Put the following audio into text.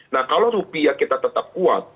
nah kalau rupiah kita tetap kuat